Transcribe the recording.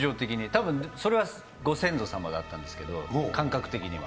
たぶん、それはご先祖様だったんですけれども、感覚的には。